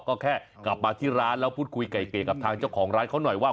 ก็แค่กลับมาที่ร้านแล้วพูดคุยไก่เกลียกับทางเจ้าของร้านเขาหน่อยว่า